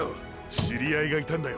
知りあいがいたんだよ